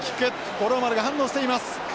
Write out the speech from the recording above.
五郎丸が反応しています。